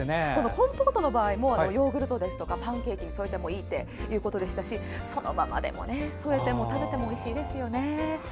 コンポートの場合もヨーグルトやパンケーキに添えてもいいということですしそのままでも添えても食べてもおいしいですよね。